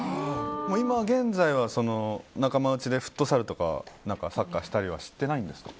今現在は仲間内でフットサルとかサッカーしたりしてないんですか。